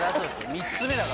３つ目だからね。